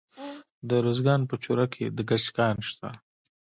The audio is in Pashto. د ارزګان په چوره کې د ګچ کان شته.